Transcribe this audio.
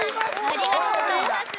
ありがとうございます。